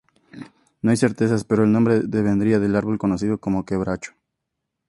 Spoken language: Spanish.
No hay certezas, pero el nombre devendría del árbol conocido como quebracho.